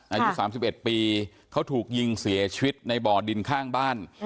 อายุ๓๑ปีเขาถูกยิงเสียชีวิตในบ่อดินข้างบ้าน